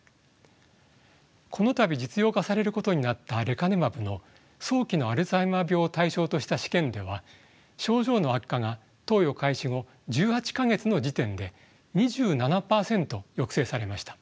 この度実用化されることになったレカネマブの早期のアルツハイマー病を対象とした試験では症状の悪化が投与開始後１８か月の時点で２７％抑制されました。